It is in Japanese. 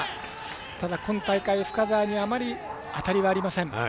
ただ、今大会、深沢にあまり当たりはありません。